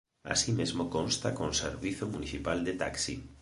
Así mesmo consta con Servizo Municipal de taxi.